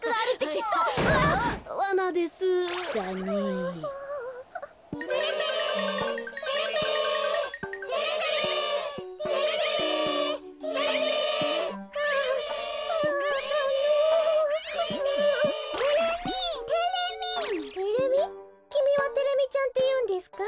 きみはテレミちゃんっていうんですか？